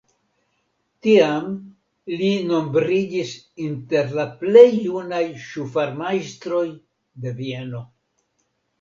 Tiam li nombriĝis inter la plej junaj ŝufarmajstroj de Vieno.